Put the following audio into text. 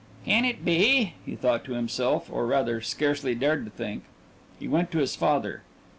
"Can it be ?" he thought to himself, or, rather, scarcely dared to think. He went to his father.